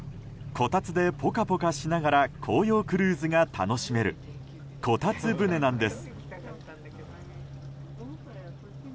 こたつでポカポカしながら紅葉クルーズが楽しめるこたつ船なんです。